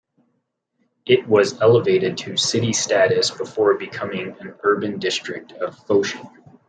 It was elevated to city status before becoming an urban district of Foshan.